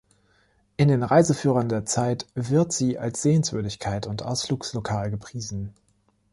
In den Reiseführern der Zeit wird sie als Sehenswürdigkeit und Ausflugslokal gepriesen.